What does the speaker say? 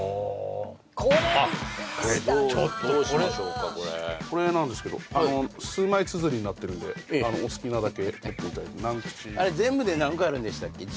これビックリしたなあどうしましょうかこれこれなんですけど数枚つづりになってるんでお好きなだけ取っていただいて全部で何個あるんでしたっけ？